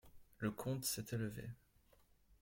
Le comte s'était levé.